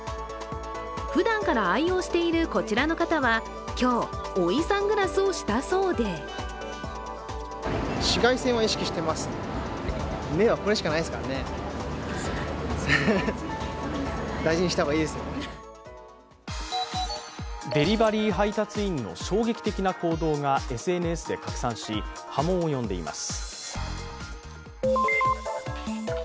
ふだんから愛用しているこちらの方は今日、追いサングラスをしたそうでデリバリー配達員の衝撃的な行動がＳＮＳで拡散し、波紋を呼んでいます。